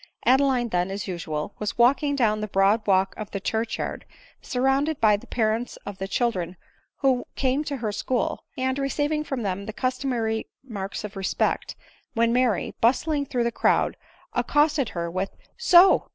Adeline then, as usual, was walking down the broad walk of the church yard, surrounded by the parents of the children who came to her school, and receiving from them the customary marks of respect, when Mary, bustling through the crowd, accosted her with —" So